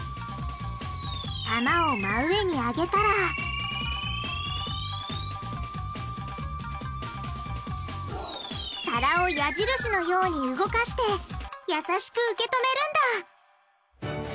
玉を真上に上げたら皿を矢印のように動かしてやさしく受け止めるんだ！